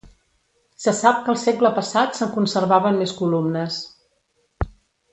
Se sap que el segle passat se'n conservaven més columnes.